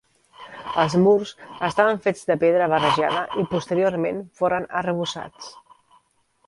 Els murs estaven fets de pedra barrejada i posteriorment foren arrebossats.